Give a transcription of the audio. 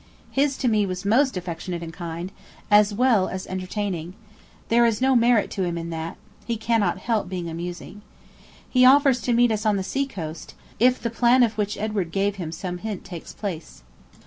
His to me was most affectionate and kind, as well as entertaining; there is no merit to him in that; he cannot help being amusing. He offers to meet us on the sea coast, if the plan of which Edward gave him some hint takes place.